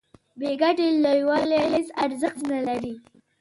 بې ګټې لویوالي هیڅ ارزښت نلري.